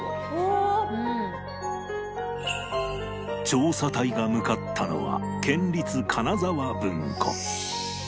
調査隊が向かったのは県立金沢文庫